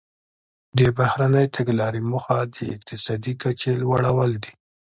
د بهرنۍ تګلارې موخه د اقتصادي کچې لوړول دي